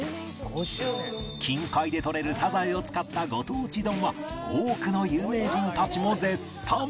近海でとれるさざえを使ったご当地丼は多くの有名人たちも絶賛！